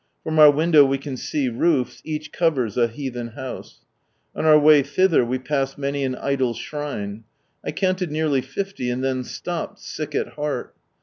From our window we can see roofs, each covers a heathen house. On our way thither we passed many an idol shrine. I counted nearly fifty, and then stopped, sick at heart.